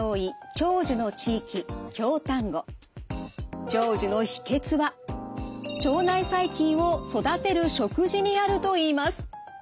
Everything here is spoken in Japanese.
長寿の秘けつは腸内細菌を育てる食事にあるといいます。